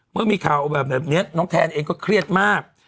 เมื่อมีข่าวแบบนี้น้องแทนเองก็เครียดมาก